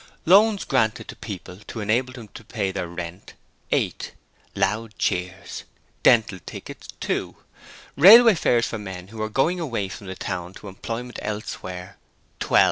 Loans granted to people to enable them to pay their rent, 8. (Loud cheers.) Dental tickets, 2. Railway fares for men who were going away from the town to employment elsewhere, 12.